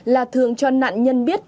là thường cho nạn nhân biết